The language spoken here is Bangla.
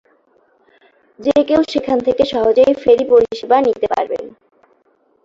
যে কেউ সেখান থেকে সহজেই ফেরি পরিষেবা নিতে পারবেন।